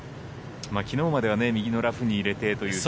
きのうまでは右のラフに入れてという。